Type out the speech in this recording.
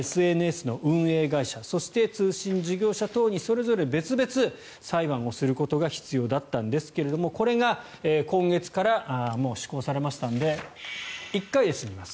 ＳＮＳの運営会社そして通信事業者等にそれぞれ別々、裁判をすることが必要だったんですがこれが今月から施行されましたので１回で済みます。